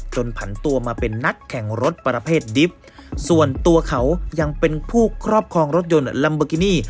ผันตัวมาเป็นนักแข่งรถประเภทดิบส่วนตัวเขายังเป็นผู้ครอบครองรถยนต์ลัมเบอร์กินี่